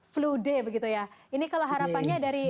flu day begitu ya ini kalau harapannya dari